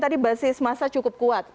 tadi basis masa cukup kuat